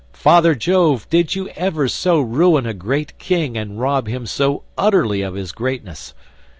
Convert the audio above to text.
Father Jove, did you ever so ruin a great king and rob him so utterly of his greatness?